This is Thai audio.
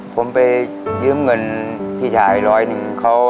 ผมไปเยื่มเงินชาวใช้ร้อยหนึ่ง